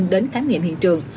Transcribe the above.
đến khám nghiệm hiện trường